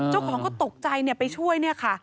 เจ้าของก็ตกใจไปช่วย